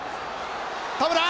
田村！